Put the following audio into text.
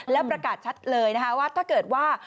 แล้วประกาศชัดเลยนะคะว่าถ้าเกิดว่า